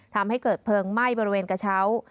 ทำให้เกิดเพลิงไหม้บริเวณกระเช้า